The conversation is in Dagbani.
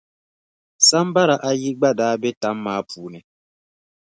Sambara ayi gba daa be tam maa puuni.